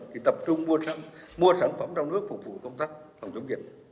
thì tập trung mua sản phẩm trong nước phục vụ công tác phòng chống dịch